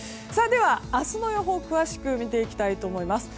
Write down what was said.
明日の予報を詳しく見ていきたいと思います。